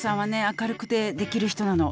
「明るくてできる人なの」